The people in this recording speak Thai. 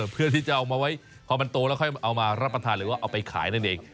เพื่อที่จะเอามาไว้พอมันโตแล้วค่อยเอามารับประทานหรือว่าเอาไปขายนั่นเอง